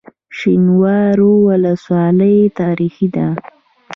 شینوارو ولسوالۍ تاریخي ده؟